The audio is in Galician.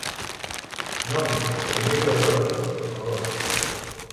Non, pero mire o reloxo, por favor.